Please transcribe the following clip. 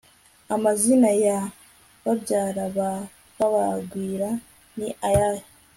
Amazina ya babyara ba kabagwira ni ayahe